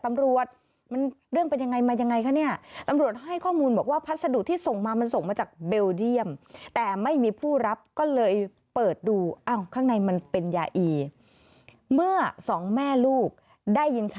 ตำรวจมันเรื่องเป็นอย่างไรมายังไงคะนี่